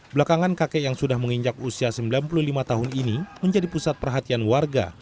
belakangan kakek yang sudah menginjak usia sembilan puluh lima tahun ini menjadi pusat perhatian warga